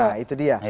nah itu dia